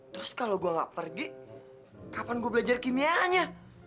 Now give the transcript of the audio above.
terus kalau gue gak pergi kapan gue belajar kimianya